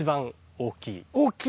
大きい？